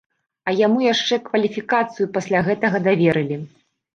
А яму яшчэ кваліфікацыю пасля гэтага даверылі.